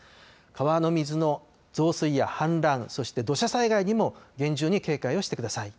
川の水の増水や氾濫、そして土砂災害にも厳重に警戒してください。